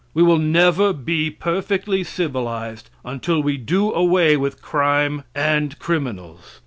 We will never be perfectly civilized until we do away with crime and criminals.